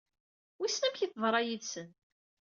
Wissen amek i teḍra yid-sen?